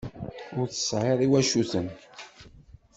Ur tesɛiḍ iwacuten.